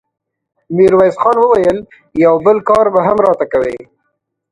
ميرويس خان وويل: يو بل کار به هم راته کوې!